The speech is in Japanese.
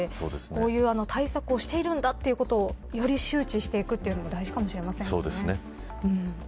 こういう対策をしているんだということをより周知していくことも大事かもしれません。